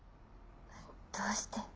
どうして？」